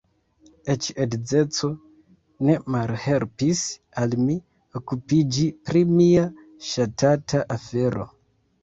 Eĉ edzeco ne malhelpis al mi okupiĝi pri mia ŝatata afero.